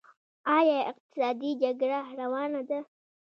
آیا اقتصادي جګړه روانه ده؟